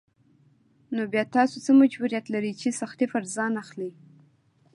نو بيا تاسو څه مجبوريت لرئ چې سختۍ پر ځان اخلئ.